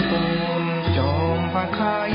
ทรงเป็นน้ำของเรา